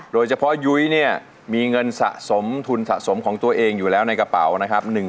โดยเฉพาะยุ้ยเนี่ยมีเงินสะสมทุนสะสมของตัวเองอยู่แล้วในกระเป๋านะครับ